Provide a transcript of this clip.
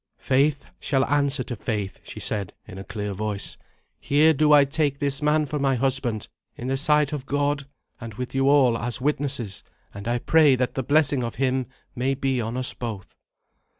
"Faith shall answer to faith," she said in a clear voice. "Here do I take this man for my husband, in the sight of God, and with you all as witnesses, and I pray that the blessing of Him may be on us both."